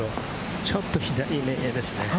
ちょっと左目ですね。